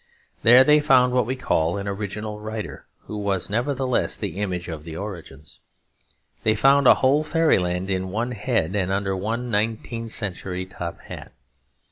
There they found what we call an original writer, who was nevertheless the image of the origins. They found a whole fairyland in one head and under one nineteenth century top hat.